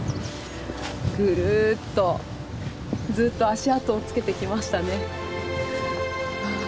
ぐるっとずっと足跡をつけてきましたね。